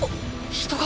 人が！！